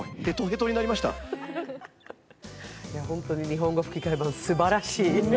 日本語吹き替え版、すばらしい。